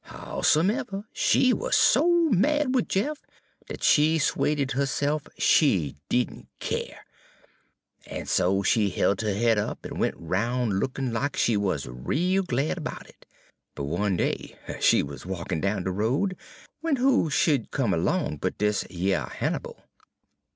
Howsomeber, she wuz so mad wid Jeff dat she 'suaded herse'f she did n' keer; en so she hilt her head up en went roun' lookin' lack she wuz rale glad 'bout it. But one day she wuz walkin' down de road, w'en who sh'd come 'long but dis yer Hannibal.